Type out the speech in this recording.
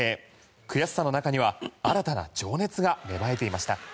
悔しさの中には新たな情熱が芽生えていました。